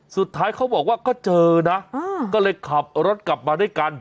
เขาบอกว่าก็เจอนะก็เลยขับรถกลับมาด้วยกัน